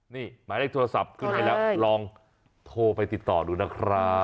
นี่หมายเลขโทรศัพท์ขึ้นให้แล้วลองโทรไปติดต่อดูนะครับ